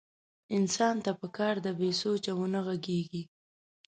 انسان ته پکار ده بې سوچه ونه غږېږي.